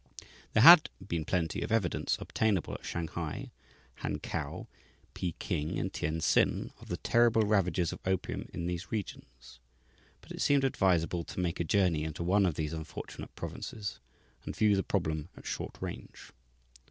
There had been plenty of evidence obtainable at Shanghai, Hankow, Peking, and Tientsin, of the terrible ravages of opium in these regions, but it seemed advisable to make a journey into one of these unfortunate provinces and view the problem at short range.